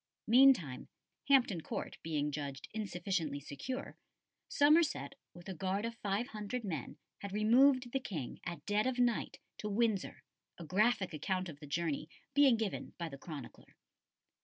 Meantime, Hampton Court being judged insufficiently secure, Somerset, with a guard of five hundred men, had removed the King, at dead of night, to Windsor, a graphic account of the journey being given by the chronicler.